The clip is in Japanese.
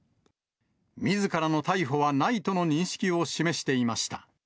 みずからの逮捕はないとの認識を示していました。